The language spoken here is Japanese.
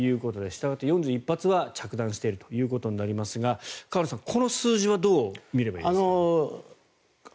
したがって４１発は着弾していることになりますが河野さん、この数字はどう見ればいいですか？